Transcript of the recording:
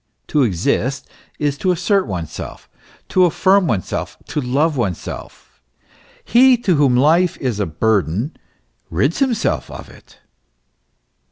To exist is to assert one self, to affirm oneself, to love oneself; he to whom life is a burthen, rids himself of it.